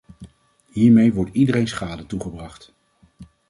Hiermee wordt iedereen schade toegebracht.